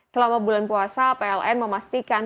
selama bulan puasa pln memastikan